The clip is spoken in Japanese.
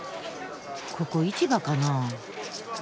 ここ市場かな？